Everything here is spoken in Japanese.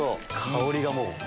香りがもう。